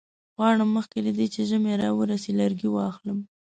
غواړم مخکې له دې چې ژمی را ورسیږي لرګي واخلم.